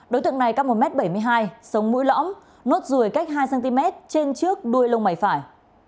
đối tượng này cao một m bảy mươi hai sống mũi lõm nốt ruồi cách hai cm trên trước đuôi lông mày phải